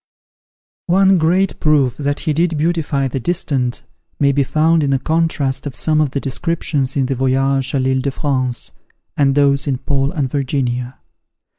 One great proof that he did beautify the distant, may be found in the contrast of some of the descriptions in the "Voyage à l'Ille de France," and those in "Paul and Virginia."